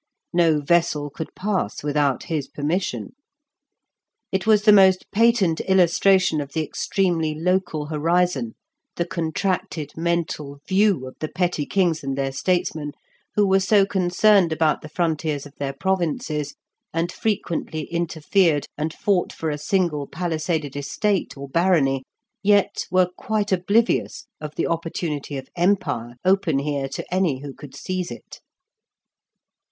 No vessel could pass without his permission. It was the most patent illustration of the extremely local horizon, the contracted mental view of the petty kings and their statesmen, who were so concerned about the frontiers of their provinces, and frequently interfered and fought for a single palisaded estate or barony, yet were quite oblivious of the opportunity of empire open here to any who could seize it.